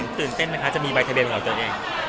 ตื่นเต้นไหมคะจะมีใบทะเบียนเหมือนกับเจ้าเอง